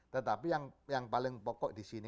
tetapi yang paling pokok disini